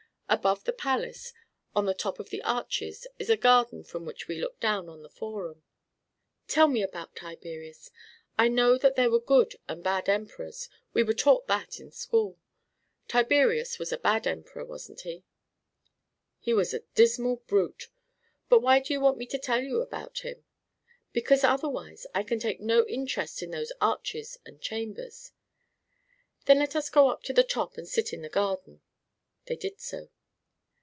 Above the palace, on the top of the arches, is a garden from which we look down on the Forum." "Tell me about Tiberius. I know that there were good and bad emperors. We were taught that at school. Tiberius was a bad emperor, wasn't he?" "He was a dismal brute. But why do you want me to tell you about him?" "Because otherwise I can take no interest in those arches and chambers." "Then let us go up to the top and sit in the garden." They did so.